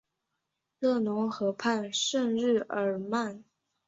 勒农河畔圣日耳曼。